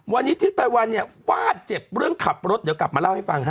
วันนี้ทิศภัยวันเนี่ยฟาดเจ็บเรื่องขับรถเดี๋ยวกลับมาเล่าให้ฟังฮะ